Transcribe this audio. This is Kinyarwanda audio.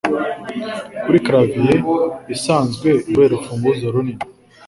Kuri clavier isanzwe nuruhe rufunguzo runini?